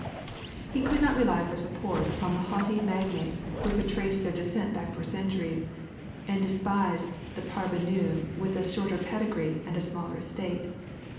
He could not rely for support upon the haughty magnates who could trace their descent back for centuries and despised the parvenu with a shorter pedigree and a smaller estate.